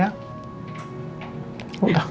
ja jak gugsemah denganmu